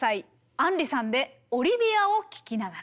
杏里さんで「オリビアを聴きながら」。